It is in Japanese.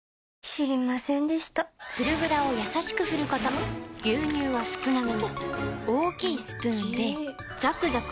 知りませんでした「フルグラ」をやさしく振ること牛乳は少なめに大きいスプーンで最後の一滴まで「カルビーフルグラ」